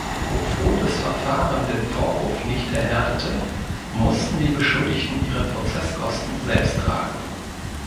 Obwohl das Verfahren den Vorwurf nicht erhärtete, mussten die Beschuldigten ihre Prozesskosten selbst tragen.